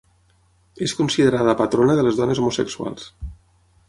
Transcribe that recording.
És considerada patrona de les dones homosexuals.